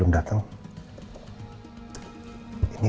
nah makanya diakinsi